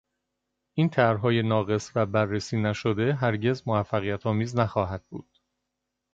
این طرحهای ناقص و بررسی نشده هرگز موفقیتآمیز نخواهد بود